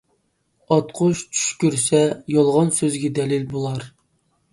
ئاتقۇچ چۈش كۆرسە، يالغان سۆزگە دەلىل بولار.